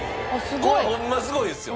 これホンマにすごいですよ。